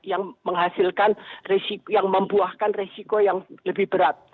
yang menghasilkan yang membuahkan resiko yang lebih berat